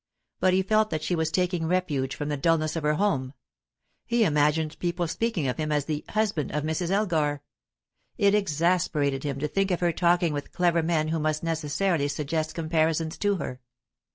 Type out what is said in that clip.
But he felt that she was taking refuge from the dulness of her home; he imagined people speaking of him as "the husband of Mrs. Elgar;" it exasperated him to think of her talking with clever men who must necessarily suggest comparisons to her.